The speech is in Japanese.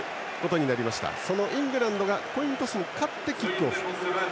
イングランドがコイントスに勝ちキックオフ。